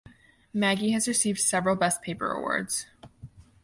Magee has received several best paper awards.